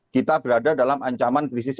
kita berada dalam ancaman krisis